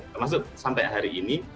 termasuk sampai hari ini